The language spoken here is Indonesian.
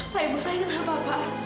pak ibu saya kenapa pak